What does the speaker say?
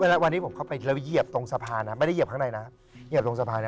แล้ววันนี้ผมเข้าไปแล้วเหยียบตรงสะพานนะไม่ได้เหยียบข้างในนะเหยียบลงสะพานนะ